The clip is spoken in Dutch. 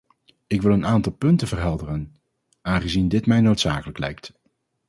Ik wil een aantal punten verhelderen, aangezien dit mij noodzakelijk lijkt.